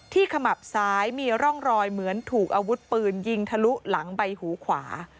ขมับซ้ายมีร่องรอยเหมือนถูกอาวุธปืนยิงทะลุหลังใบหูขวา